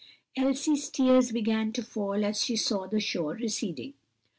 Elsie's tears began to fall as she saw the shore receding.